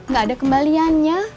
gak ada kembaliannya